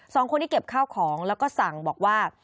สองคนที่เก็บข้าวของแล้วก็สั่งบอกว่า